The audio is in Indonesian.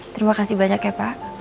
terima kasih banyak ya pak